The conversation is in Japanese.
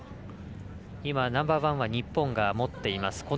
ナンバーワンは日本が持っています。